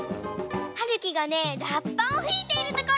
はるきがねらっぱをふいているところ！